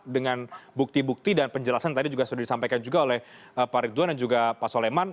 dengan bukti bukti dan penjelasan tadi juga sudah disampaikan juga oleh pak ridwan dan juga pak soleman